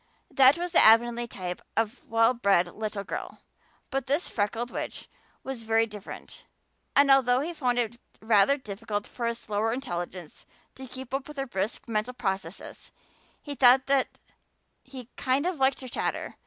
That was the Avonlea type of well bred little girl. But this freckled witch was very different, and although he found it rather difficult for his slower intelligence to keep up with her brisk mental processes he thought that he "kind of liked her chatter."